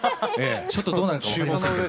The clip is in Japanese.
ちょっとどうなるか分かりませんけども。